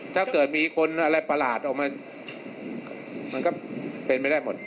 ถ้าเกิดมีคนอะไรประหลาดเอามา